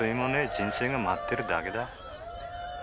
人生が待ってるだけだ。